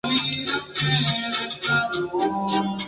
Aya puede golpear con la espada, dar patadas y lanzar cuchillos.